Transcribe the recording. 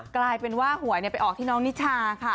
กลายเป็นว่าหวยไปออกที่น้องนิชาค่ะ